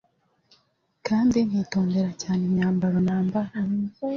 kandi nkitondera cyane imyambaro nambara